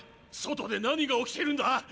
外で何が起きてるんだ⁉